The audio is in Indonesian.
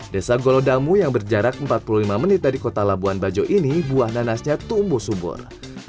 desa golodamu yang berjarak empat puluh lima menit dari kota labuan bajo ini buah nanasnya tumbuh subur